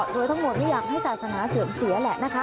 โดยทั้งหมดไม่อยากให้ศาสนาเสื่อมเสียแหละนะคะ